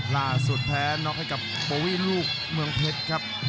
ล่าสุดแพ้น็อคให้กับโปวิลูกเมืองเพชรครับ